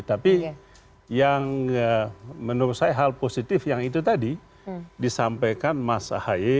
tapi yang menurut saya hal positif yang itu tadi disampaikan mas ahy